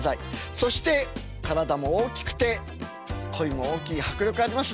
そして体も大きくて声も大きい迫力ありますね。